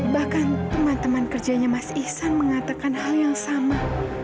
bahkan teman teman kerjanya mas ihsan mengatakan hal yang sama